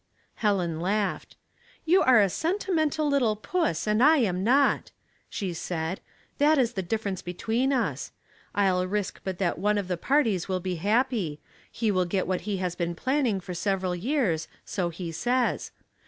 Helen laughed. " You are a sentimental little puss, and I am not," she said ;" that is the difference between us. I'll risk but that one of the parties will be happy ; he will get what he has been planning for several years — so he says.